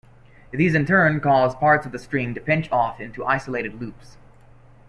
These in turn cause parts of the string to pinch off into isolated loops.